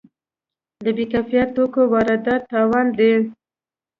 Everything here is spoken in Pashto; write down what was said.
د بې کیفیت توکو واردات تاوان دی.